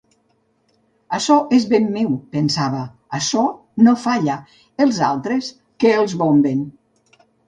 Açò és ben meu, —pensava— açò no falla: els altres, que els bomben!